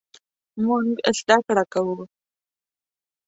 مونږ زده کړه کوو